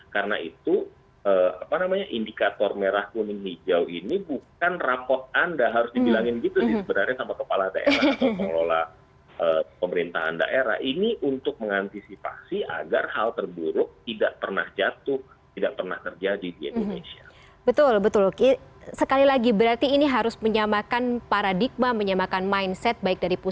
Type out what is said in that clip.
karena itu indikator merah kuning hijau ini bukan rapot anda harus dibilangin gitu